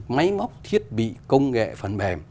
máy móc thiết bị công nghệ phần mềm